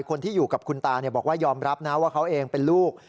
คนที่อยู่กับคุณตาบอกว่ายอมรับนะว่าเขาเองเป็นลูก